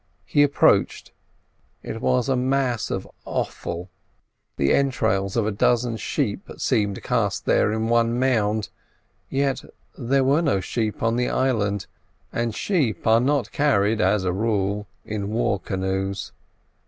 He approached; it was a mass of offal; the entrails of a dozen sheep seemed cast here in one mound, yet there were no sheep on the island, and sheep are not carried as a rule in war canoes.